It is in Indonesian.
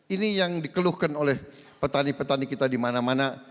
ini yang dikeluhkan oleh petani petani kita di mana mana